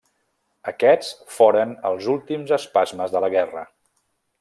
Aquests foren els últims espasmes de la guerra.